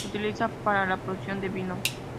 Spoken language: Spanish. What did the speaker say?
Se utiliza para la producción de vino.